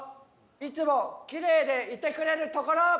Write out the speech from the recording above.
いつもきれいでいてくれるところ。